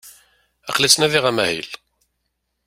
Aqli ttnadiɣ amahil.